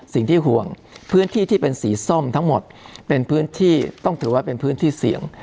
สิ่งที่ห่วงพื้นที่ที่เป็นสีส้มทั้งหมดเป็นพื้นที่ต้องถือว่าเป็นพื้นที่เสี่ยง